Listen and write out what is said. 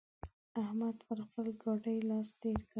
احمد پر خپل ګاډي لاس تېر کړ.